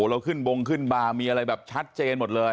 เราขึ้นบงขึ้นบาร์มีอะไรแบบชัดเจนหมดเลย